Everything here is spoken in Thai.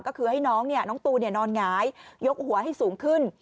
ก็คือให้น้องตูนนอนหงายยกหัวให้สูงขึ้น